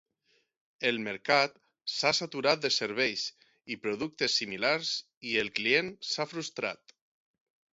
El mercat s'ha saturat de serveis i productes similars i el client s'ha frustrat.